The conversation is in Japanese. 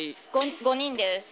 ５人です。